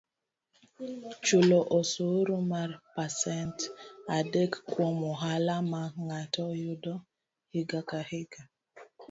Chulo osuru mar pasent adek kuom ohala ma ng'ato yudo higa ka higa,